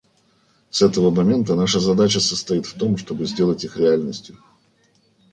С этого момента наша задача состоит в том, чтобы сделать их реальностью.